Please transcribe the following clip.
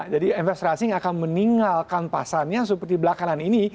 jadi investasi yang akan meninggalkan pasarnya seperti di belakangan ini